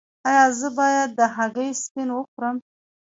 ایا زه باید د هګۍ سپین وخورم؟